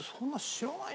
知らない。